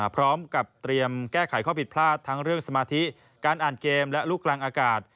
พร้อมกับเตรียมแก้ไขข้อผิดพลาดทั้งเรื่องสมาธิการอ่านเกมและลูกกลางอากาศ